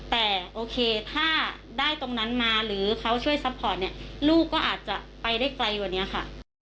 แต่โอเคถ้าได้ตรงนั้นมาหรือเขาช่วยซัพพอร์ตเนี่ยลูกก็อาจจะไปได้ไกลกว่านี้ค่ะ